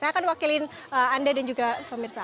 saya akan wakilin anda dan juga pemirsa